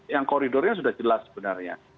yang koridornya sudah jelas sebenarnya